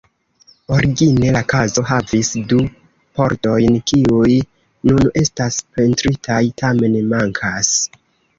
Origine la kazo havis du pordojn, kiuj nun estas pentritaj, tamen mankas.